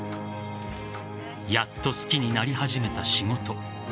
やっと好きになり始めた仕事。